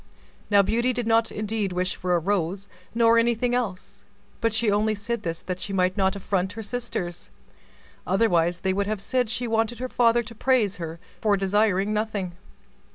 Now Beauty did not indeed wish for a rose, nor anything else, but she only said this that she might not affront her sisters; otherwise they would have said she wanted her father to praise her for desiring nothing.